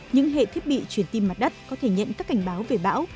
những hệ thiết bị truyền tin mặt đất có thể nhận các cảnh báo về bão